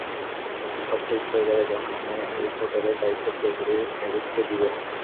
সব ঠিক হয়ে যাবে যখন আমি এই হোটেলের দায়িত্ব পুরোপুরি মেভিসকে দিবো।